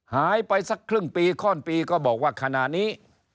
หายไปสักครึ่งปีข้อนปีก็บอกว่าขณะนี้